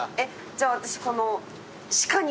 じゃあ私この鹿肉。